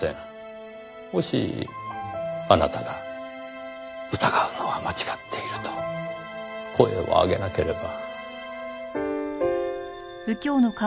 もしあなたが疑うのは間違っていると声を上げなければ。